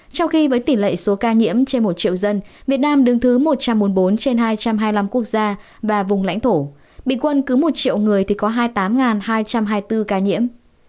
trong khi với tỷ lệ số ca nhiễm trên một triệu dân việt nam đứng thứ một trăm bốn mươi bốn trên hai trăm hai mươi năm quốc gia và vùng lãnh thổ bình quân cứ một triệu người thì có hai mươi tám hai trăm hai mươi bốn ca nhiễm